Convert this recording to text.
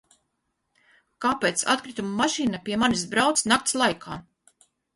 Kāpēc atkritumu mašīna pie manis brauc nakts laikā?